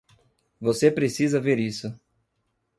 Você precisa ver isso.